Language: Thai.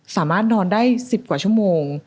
สามารถนอนได้๑๐กว่าชั่วโมง